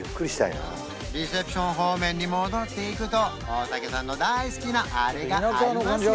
レセプション方面に戻っていくと大竹さんの大好きなあれがあります